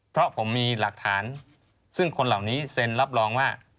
เพราะผมมีหลักฐานซึ่งคนเหล่านี้เซ็นรับรองว่า